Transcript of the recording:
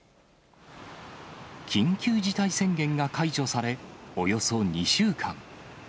緊急事態宣言が解除され、およそ２週間。